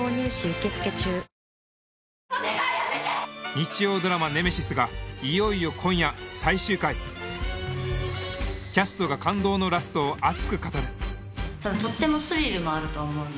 日曜ドラマ『ネメシス』がいよいよ今夜最終回キャストが感動のラストを熱く語るとってもスリルもあると思うんです。